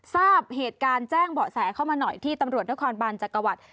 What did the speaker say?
ทราบเหตุการณ์แจ้งเบาะแสเข้ามาหน่อยที่ตำรวจนครบานจักรวรรดิ